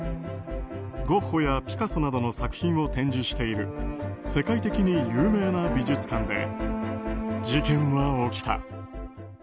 ゴッホやピカソなどの作品を展示している世界的に有名な美術館で事件は起きた。